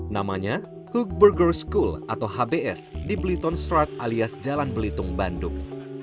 namanya hoogberger school atau hbs di blitonstraat alias jalan belitung bandung